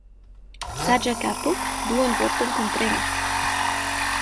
Saĝa kapo duonvorton komprenas.